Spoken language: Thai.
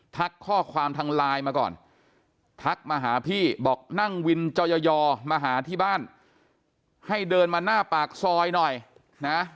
ข้อความทางไลน์มาก่อนทักมาหาพี่บอกนั่งวินจอยอมาหาที่บ้านให้เดินมาหน้าปากซอยหน่อยนะ